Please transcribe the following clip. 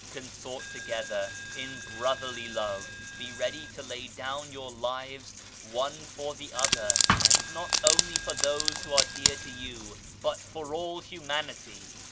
Consort together in brotherly love, be ready to lay down your lives one for the other, and not only for those who are dear to you, but for all humanity.